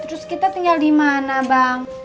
terus kita tinggal di mana bang